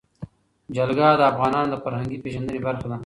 جلګه د افغانانو د فرهنګي پیژندنې برخه ده.